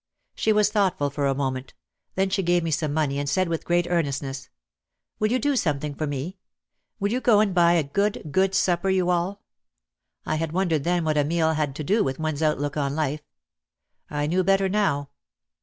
She was thoughtful for a moment; then she gave me some money and said with great earnestness, "Will you do something for me ? Will you go and buy a good, good supper, you all ?" I had wondered then what a meal had to do with one's outlook on life. I knew better now.